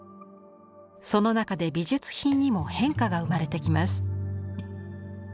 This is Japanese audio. その中で美術品にも変化が生まれてきます。